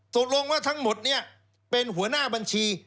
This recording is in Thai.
ตกลงว่าทั้งหมดเนี่ยเป็นหัวหน้าบัญชี